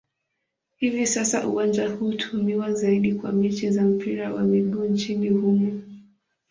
Hivi sasa uwanja huu hutumiwa zaidi kwa mechi za mpira wa miguu nchini humo.